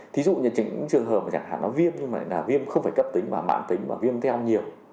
thí dụ như trường hợp chẳng hạn nó viêm nhưng mà là viêm không phải cấp tính và mạng tính và viêm theo nhiều